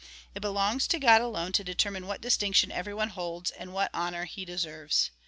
It belongs to God alone to determine what distinction every one holds, and what honour he deserves.